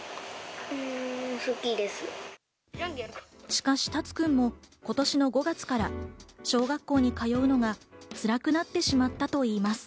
しかしタツくんも今年の５月から小学校に通うのが辛くなってしまったといいます。